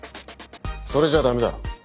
それじゃダメだ。